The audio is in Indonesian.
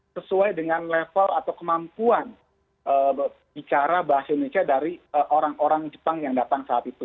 sesuai dengan level atau kemampuan bicara bahasa indonesia dari orang orang jepang yang datang saat itu